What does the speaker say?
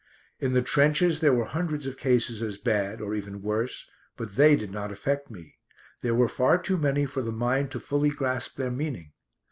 In the trenches there were hundreds of cases as bad, or even worse, but they did not affect me. There were far too many for the mind to fully grasp their meaning.